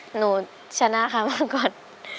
หนูชนะค่ะมาก่อน